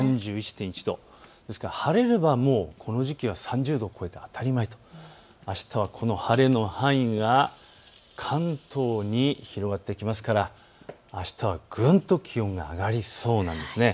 ３１．１度、晴れればこの時期は３０度超えて当たり前という、あしたはこの晴れの範囲が関東に広がってきますから、あしたはぐんと気温が上がりそうです。